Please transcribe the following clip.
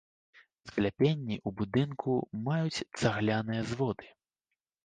Скляпенні ў будынку маюць цагляныя зводы.